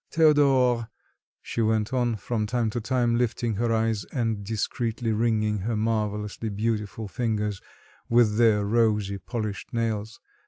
"Théodore!" she went on, from time to time lifting her eyes and discreetly wringing her marvellously beautiful fingers with their rosy, polished nails.